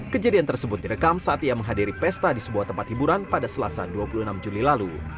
kejadian tersebut direkam saat ia menghadiri pesta di sebuah tempat hiburan pada selasa dua puluh enam juli lalu